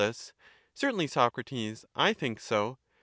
Certainly, Socrates, I think so.